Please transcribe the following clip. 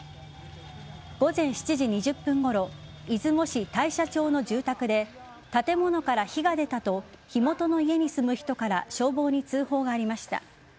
午前７時２０分ごろ出雲市大社町の住宅で建物から火が出たと火元の家に住む人から消防に通報がありました。